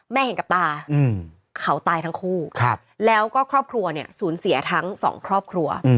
เห็นกับตาเขาตายทั้งคู่แล้วก็ครอบครัวเนี่ยสูญเสียทั้งสองครอบครัว